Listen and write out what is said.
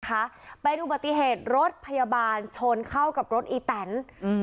นะคะเป็นอุบัติเหตุรถพยาบาลชนเข้ากับรถอีแตนอืม